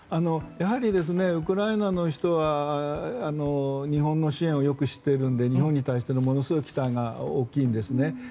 やはりウクライナの人は日本の支援をよく知っているので日本に対して、ものすごく期待が大きいんですね。